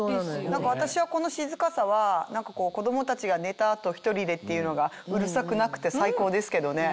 何か私はこの静かさは子供たちが寝た後一人でっていうのがうるさくなくて最高ですけどね。